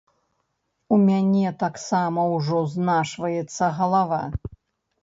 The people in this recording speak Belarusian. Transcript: У мяне таксама ўжо знашваецца галава.